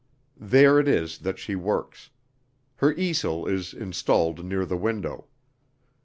There it is that she works: her easel is installed near the window.